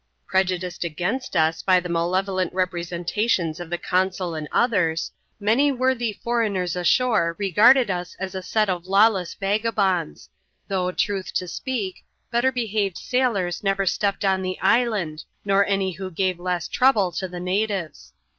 '^ Prejudiced against us by the malevolent representations of he consul and others, many worthy foreigners ashcMre regarded IS as a set of lawless vagabonds; though, truth to speak, better »ehaved sailors never stepped on the island, nor any who gave ess trouble to the natives.